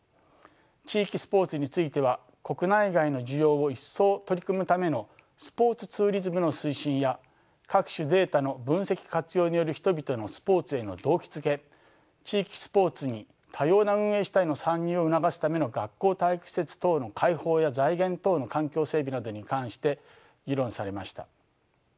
地域スポーツについては国内外の需要を一層取り込むためのスポーツツーリズムの推進や各種データの分析・活用による人々のスポーツへの動機づけ地域スポーツに多様な運営主体の参入を促すための学校体育施設等の開放や財源等の環境整備などに関して議論されました。